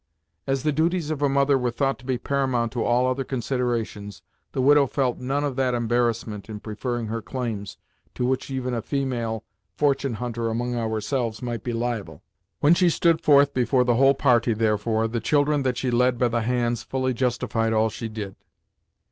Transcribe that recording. As the duties of a mother were thought to be paramount to all other considerations, the widow felt none of that embarrassment, in preferring her claims, to which even a female fortune hunter among ourselves might be liable. When she stood forth before the whole party, therefore, the children that she led by the hands fully justified all she did.